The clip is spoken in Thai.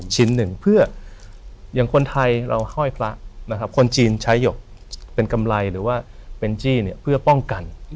ชิ้นหนึ่งเพื่ออย่างคนไทยเราห้อยพระนะครับคนจีนใช้หยกเป็นกำไรหรือว่าเป็นจี้เนี่ยเพื่อป้องกัน